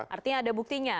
artinya ada buktinya